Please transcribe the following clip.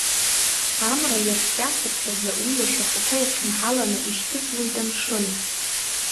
Амра ҩаскьа-цыԥхьаӡа, уи ашәахәақәа ирхьынҳаланы, ишьҭыҵуеит амшын.